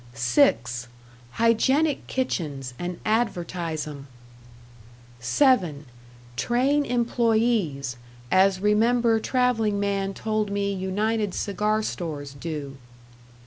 "(6) Hygienic kitchens and advertise 'em. "(7) Train employees, as rem. trav. man told me United Cigar Stores do.